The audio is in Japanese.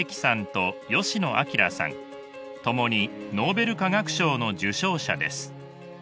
共にノーベル化学賞の受賞者です。